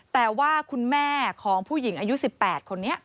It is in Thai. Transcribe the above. แต่ว่าคุณแม่ของผู้หญิงอายุ๑๘คนนี้